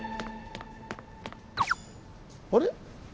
あれ？